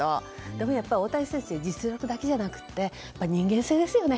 でも、やっぱり大谷選手は実力だけじゃなくて人間性ですよね